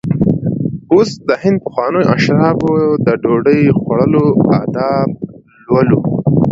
اوس د هند د پخوانیو اشرافو د ډوډۍ خوړلو آداب لولو.